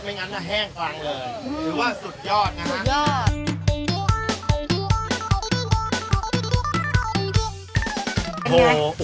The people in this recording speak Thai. ไม่งั้นฉะนั้นแห้งกว่างเลยหรือว่าสุดยอดนะฮะสุดยอด